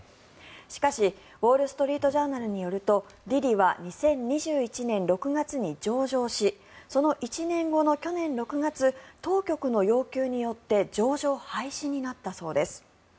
しかし、ウォール・ストリート・ジャーナルによるとＤｉＤｉは２０２１年６月に上場しその１年後の去年６月当局の要求によって上場廃止になったそうです。